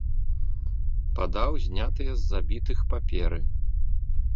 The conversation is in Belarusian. Падаў знятыя з забітых паперы.